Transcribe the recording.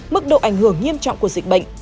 mức độ ảnh hưởng nghiêm trọng của dịch bệnh